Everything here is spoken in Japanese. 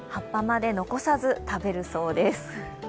葉っぱまで残さず食べるそうです。